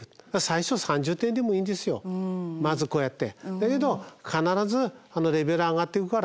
まずこうやって。